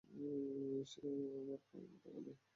আমার কামানো টাকা দে!